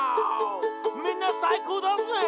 「みんなさいこうだぜ！」